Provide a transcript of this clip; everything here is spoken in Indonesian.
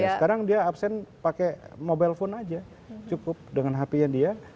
sekarang dia absen pakai mobile phone aja cukup dengan hp nya dia